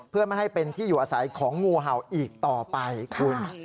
เพื่อไม่ให้เป็นที่อยู่อาศัยของงูเห่าอีกต่อไปคุณ